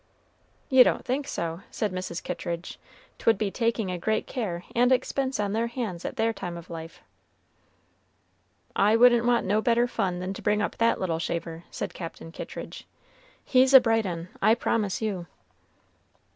"You don't think so," said Mrs. Kittridge. "'Twould be taking a great care and expense on their hands at their time of life." "I wouldn't want no better fun than to bring up that little shaver," said Captain Kittridge; "he's a bright un, I promise you."